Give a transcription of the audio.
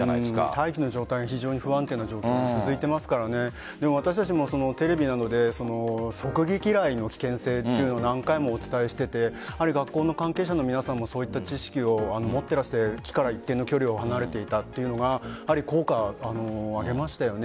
大気の状態が非常に不安定な状態が続いていますから私たちもテレビなどで直撃雷の危険性を何度もお伝えしていてある学校の関係者の皆さんも知識を持っていらして木から一定の距離から離れていたというのが効果を挙げましたよね。